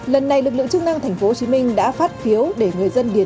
lần này lực lượng chức năng tp hcm đã phát phiếu để người dân điền